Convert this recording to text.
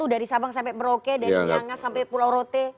dari sabang sampai merauke